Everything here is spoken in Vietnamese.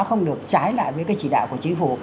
không được trái lại với cái chỉ đạo của chính phủ